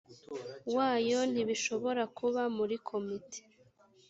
wayo ntibishobora kuba muri komite